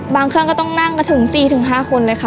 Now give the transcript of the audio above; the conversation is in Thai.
เครื่องก็ต้องนั่งกันถึง๔๕คนเลยค่ะ